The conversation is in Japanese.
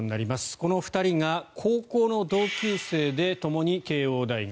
この２人が高校の同級生でともに慶応大学。